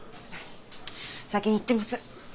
先に行ってます。